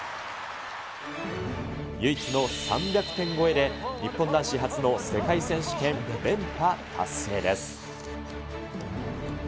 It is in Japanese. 唯一の３００点超えで、日本男子初の世界選手権連覇達成です。